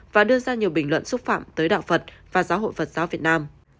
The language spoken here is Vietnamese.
và đưa ra nhiều bình luận xúc phạm tới đạo phật và giáo hội phật giáo việt nam